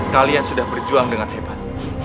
kalian sudah berjuang dengan hebat